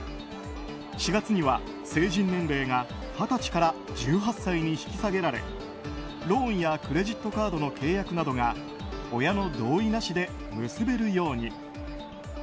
４月には成人年齢が２０歳から１８歳に引き下げられローンやクレジットカードの契約などが親の同意なしで結べるように。